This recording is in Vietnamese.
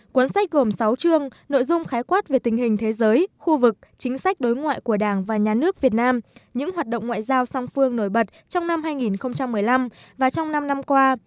cuốn sách gồm sáu chương nội dung khái quát về tình hình thế giới khu vực chính sách đối ngoại của đảng và nhà nước việt nam những hoạt động ngoại giao song phương nổi bật trong năm hai nghìn một mươi năm và trong năm năm qua